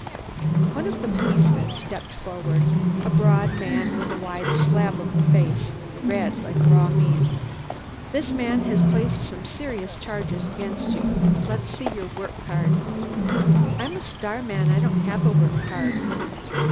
One of the policemen stepped forward a broad man with a wide slab of a face, red, like raw meat. "This man has placed some serious charges against you. Let's see your work card." "I'm a starman. I don't have a work card."